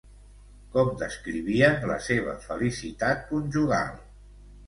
Com descrivien la seva felicitat conjugal?